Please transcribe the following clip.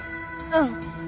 うん。